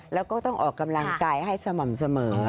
แล้วก็ต้องออกกำลังกายให้สม่ำเสมอ